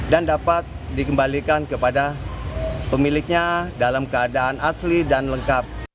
dan dapat dikembalikan kepada pemiliknya dalam keadaan asli dan lengkap